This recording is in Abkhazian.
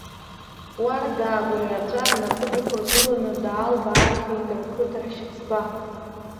Уардаа гәырӷьаҵәа, рнапы дықәыргыланы даалбааргеит рқыҭа ахьшьыцба.